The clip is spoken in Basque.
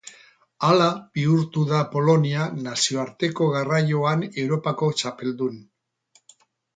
Hala bihurtu da Polonia nazioarteko garraioan Europako txapeldun.